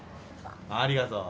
ありがとう。